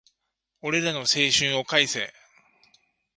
俺らの青春を返せ